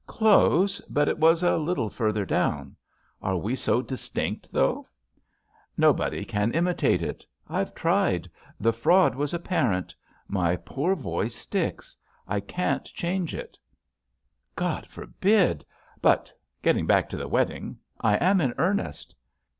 "Close. But it was a little further down. Are we so distinct, though?" "Nobody can imitate it. Fve tried. The fraud was apparent. My poor voice sticks. I can't change it." JUST SWEETHEARTS "God forbid 1 But — getting back to the wedding — I am in earnest."